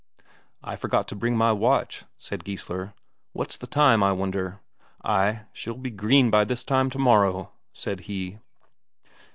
"I forgot to bring my watch," said Geissler. "What's the time, I wonder? Ay, she'll be green by this time tomorrow!" said he.